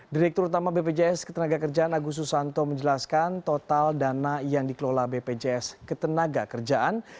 direktur utama bpjs ketenaga kerjaan agus susanto menjelaskan total dana yang dikelola bpjs ketenaga kerjaan